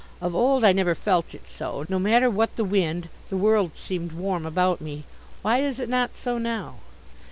Of old I never felt it so; no matter what the wind, the world seemed warm about me. Why is it not so now?"